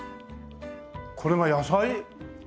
これが野菜？